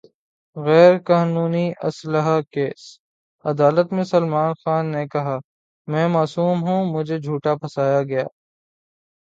غیر قانونی اسلحہ کیس : عدالت میں سلمان خان نے کہا : میں معصوم ہوں ، مجھے جھوٹا پھنسایا گیا